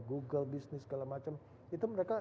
google business segala macam itu mereka